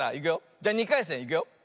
じゃ２かいせんいくよ。